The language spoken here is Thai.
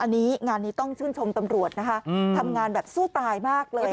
อันนี้งานนี้ต้องชื่นชมตำรวจนะคะทำงานแบบสู้ตายมากเลย